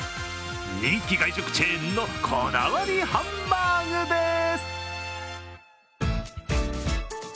人気外食チェーンのこだわりハンバーグです。